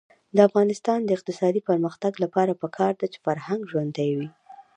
د افغانستان د اقتصادي پرمختګ لپاره پکار ده چې فرهنګ ژوندی وي.